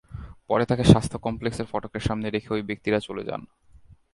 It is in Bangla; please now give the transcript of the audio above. পরে তাঁকে স্বাস্থ্য কমপ্লেক্সের ফটকের সামনে রেখে ওই ব্যক্তিরা চলে যান।